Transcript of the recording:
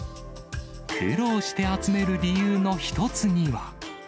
苦労して集める理由の一つには。